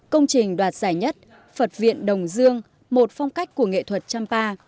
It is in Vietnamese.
công trình đoạt giải nhất phật viện đồng dương một phong cách của nghệ thuật champa